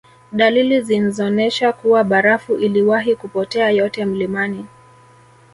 Dalili zinzonesha kuwa barafu iliwahi kupotea yote mlimani